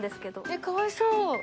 えかわいそう。